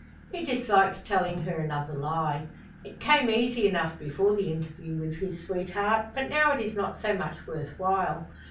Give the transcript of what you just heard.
He dislikes telling her another lie. It came easy enough before the interview with his sweetheart, but now it is not so much worth while.